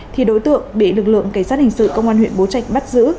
thì đối tượng bị lực lượng cảnh sát hình sự công an huyện bố trạch bắt giữ